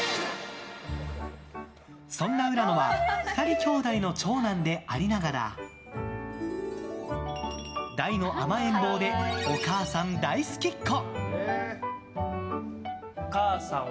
そんな浦野は２人きょうだいの長男でありながら大の甘えん坊でお母さん大好きっ子。